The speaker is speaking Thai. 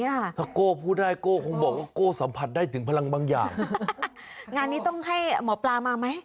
ถ้าโก้พูดได้โก้คงบอกว่าโก้สัมผัสได้ถึงพลังบางอย่างงานนี้ต้องให้หมอปลามาไหม